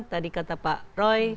tadi kata pak roy